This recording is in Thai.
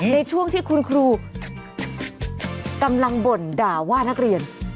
ในช่วงที่คุณครูกำลังบ่นด่าว่านักเรียน